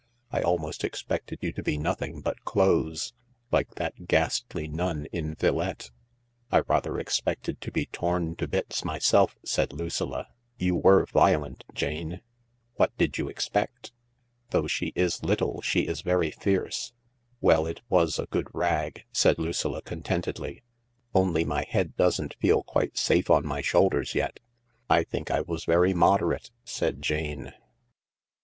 I almost expected you to be nothing but clothes, like that ghastly nun in 'Villette.' "" I rather expected to be torn to bits myself," said Lucilla. " You were violent, Jane." " What did you expect ?"" 'Though she is little, she is very fierce.' Well, it was a good rag," said Lucilla contentedly ;" only my head doesn't feel quite safe on my shoulders yet." " I think I was very moderate," said Jane.